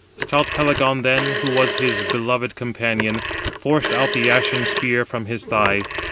Stout Pelagon then, who was his beloved companion, forced out the ashen spear from his thigh.